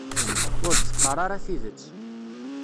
Ur d-teqqar ara tidet.